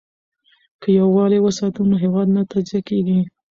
که یووالي وساتو نو هیواد نه تجزیه کیږي.